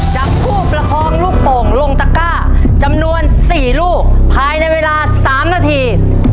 จับผู้ประคองลูกโป่งลงตะก้าจำนวน๔ลูกภายในเวลา๓นาที